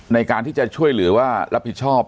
ในการที่จะช่วยเหลือว่ารับผิดชอบ